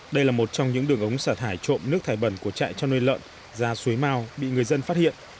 đây là một trong những đường ống xả thải trộm nước thải bẩn của trại chăn nuôi lợn ra suối mao bị người dân phát hiện